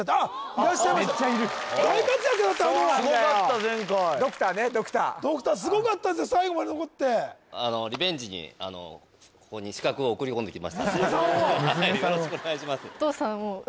いらっしゃいましためっちゃいる大活躍だったすごかった前回ドクターねドクタードクターすごかった最後まで残ってリベンジにここに刺客を送り込んできましたので娘さんをはいよろしくお願いします